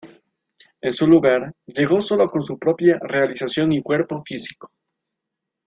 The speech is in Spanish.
En su lugar, llegó sólo con su propia realización y cuerpo físico.